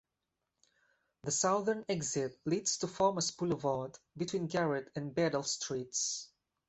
The southern exit leads to Farmers Boulevard, between Garrett and Bedell streets.